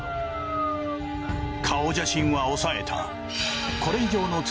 顔写真は押さえた。